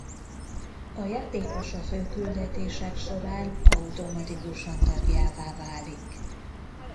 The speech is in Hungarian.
A játékos a fő küldetések során automatikusan tagjává válik.